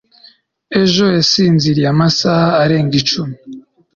ejo yasinziriye amasaha arenga icumi